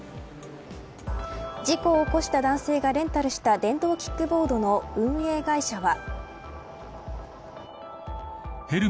事故を起こした男性がレンタルした電動キックボードの運営会社は。